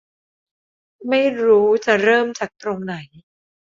ไม่รู้จะเริ่มจากตรงไหน